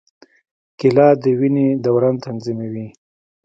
کېله د وینې دوران منظموي.